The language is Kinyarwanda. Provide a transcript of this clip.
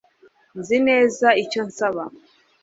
Nzi neza icyo nsaba